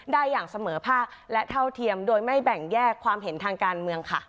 อย่างเสมอภาคและเท่าเทียมโดยไม่แบ่งแยกความเห็นทางการเมืองค่ะ